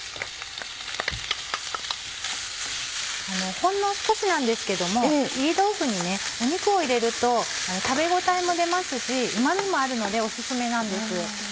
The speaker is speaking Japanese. あのほんの少しなんですけども炒り豆腐に肉を入れると食べ応えも出ますしうま味もあるのでオススメなんです。